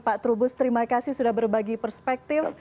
pak trubus terima kasih sudah berbagi perspektif